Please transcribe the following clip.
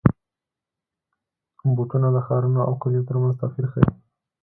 بوټونه د ښارونو او کلیو ترمنځ توپیر ښيي.